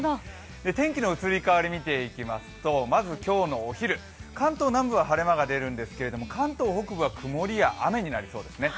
天気の移り変わり、見ていきますとまず今日のお昼、関東南部は晴れ間が出るんですけれども、関東北部は曇りや雨になりそうです。